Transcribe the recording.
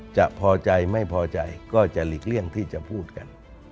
พอใจไม่พอใจก็จะหลีกเลี่ยงที่จะพูดกัน